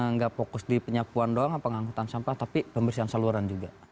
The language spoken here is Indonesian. nggak fokus di penyapuan doang pengangkutan sampah tapi pembersihan saluran juga